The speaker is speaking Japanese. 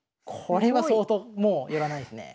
これは相当もう寄らないですね。